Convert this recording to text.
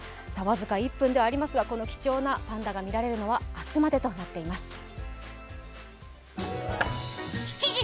僅か１分ではありますが、この貴重なパンダが見られるのは明日までとなっています。